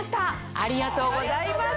ありがとうございます。